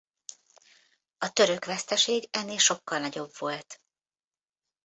A török veszteség ennél sokkal nagyobb volt.